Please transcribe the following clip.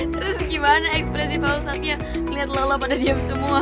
terus gimana ekspresi pak ustadz yang ngeliat lolo pada diam semua